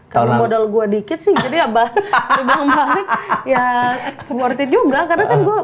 kali modal gue dikit sih jadi ya dibangun balikya worth it juga